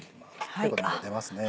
結構出ますね